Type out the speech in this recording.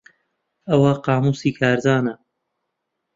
ئەوە قامووسی کارزانە.